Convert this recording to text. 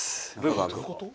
どういうこと？